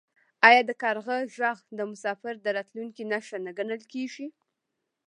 آیا د کارغه غږ د مسافر د راتلو نښه نه ګڼل کیږي؟